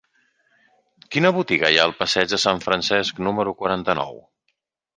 Quina botiga hi ha al passeig de Sant Francesc número quaranta-nou?